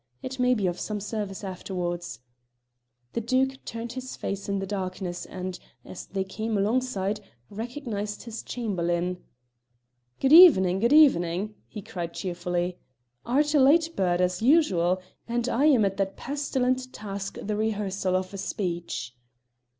"It may be of some service afterwards." The Duke turned his face in the darkness, and, as they came alongside, recognised his Chamberlain. "Good evening, good evening!" he cried cheerfully. "'Art a late bird, as usual, and I am at that pestilent task the rehearsal of a speech."